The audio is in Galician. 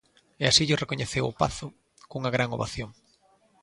E así llo recoñeceu o Pazo, cunha gran ovación.